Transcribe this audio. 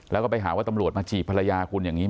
แล้วก็ไปหาว่าตำรวจมาจีบภรรยาคุณอย่างนี้